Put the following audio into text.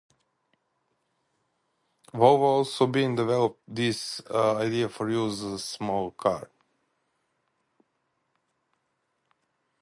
Volvo has also been developing this idea for use in small cars.